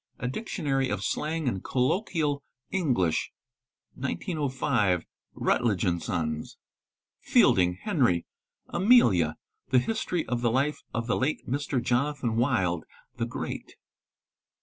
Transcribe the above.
—A Dictionary of Slang and Colloquia English, 1905, Routledge & Sons. 4 Fielding (Henry).—Amelia—The History of the life of the late Mn. | Jonathan Wild the Great.